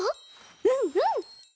うんうん！